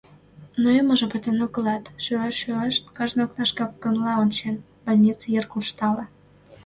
Нойымыжо пытен огылат, шӱлешт-шӱлешт, кажне окнашке опкынла ончен, больнице йыр куржтале.